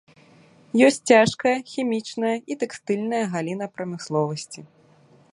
Ёсць цяжкая, хімічная і тэкстыльныя галіны прамысловасці.